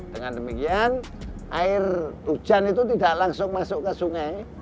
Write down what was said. dengan demikian air hujan itu tidak langsung masuk ke sungai